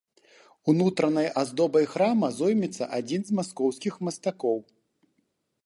Унутранай аздобай храма зоймецца адзін з маскоўскіх мастакоў.